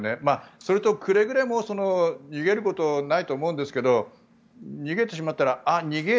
それとくれぐれも逃げることはないと思うんですが逃げてしまったらあ、にげー